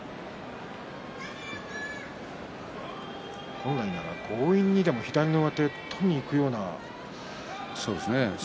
本来なら強引に左の上手を取りにいく相撲ですが。